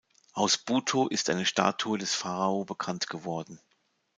Aus Buto ist eine Statue des Pharao bekannt geworden.